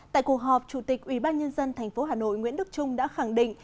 tại cuộc họp chủ tịch ủy ban nhân dân thành phố hà nội nguyễn đức trung đã khẳng định